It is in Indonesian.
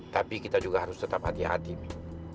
tapi kita juga harus tetap hati hati nih